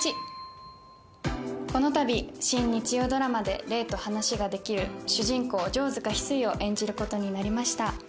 このたび新日曜ドラマで霊と話ができる主人公・城塚翡翠を演じることになりました。